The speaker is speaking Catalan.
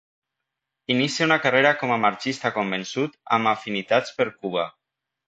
Inicia una carrera com a marxista convençut amb afinitats per Cuba.